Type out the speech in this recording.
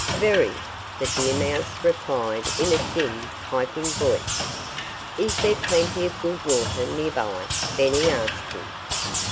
"Very!" the deer mouse replied in a thin, piping voice. "Is there plenty of good water nearby?" Benny asked him.